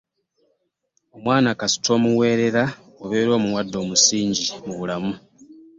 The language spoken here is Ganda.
Omwana kasita omuweerera obeera omuwadde omusingi mu bulamu.